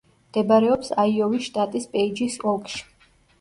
მდებარეობს აიოვის შტატის პეიჯის ოლქში.